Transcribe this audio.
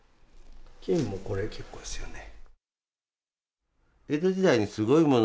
金もこれ結構ですよね。